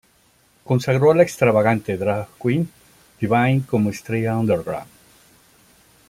Consagró a la extravagante "drag queen" Divine como estrella "underground".